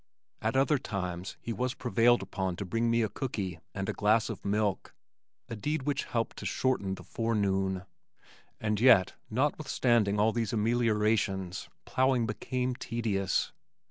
At other times he was prevailed upon to bring to me a cookie and a glass of milk, a deed which helped to shorten the forenoon. And yet, notwithstanding all these ameliorations, plowing became tedious.